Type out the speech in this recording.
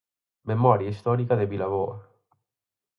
Memoria histórica de Vilaboa.